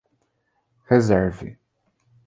Reserve.